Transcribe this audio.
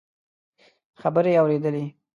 خبرې اورېدلې.